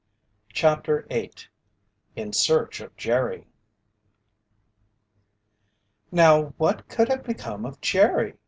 CHAPTER 8 IN SEARCH OF JERRY "Now what could have become of Jerry?"